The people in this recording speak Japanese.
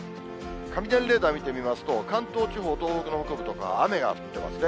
雷レーダー見てみますと、関東地方、東北の北部とか、雨が降ってますね。